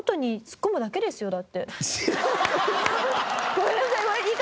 ごめんなさい。